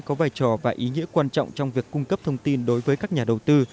có vai trò và ý nghĩa quan trọng trong việc cung cấp thông tin đối với các nhà đầu tư